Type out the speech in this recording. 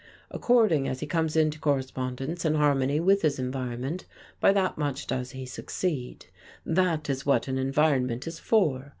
According as he comes into correspondence and harmony with his environment, by that much does he succeed. That is what an environment is for.